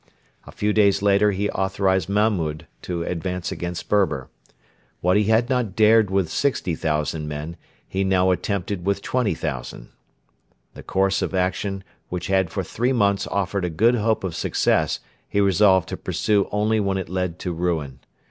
A few days later he authorised Mahmud to advance against Berber. What he had not dared with 60,000 men he now attempted with 20,000. The course of action which had for three months offered a good hope of success he resolved to pursue only when it led to ruin.